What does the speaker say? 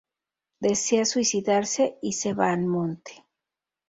Desea suicidarse y se va al monte.